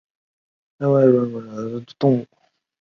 双尖艾普蛛为跳蛛科艾普蛛属的动物。